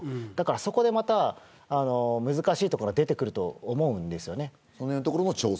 そこでまた難しいところが出てくると思うんですよね。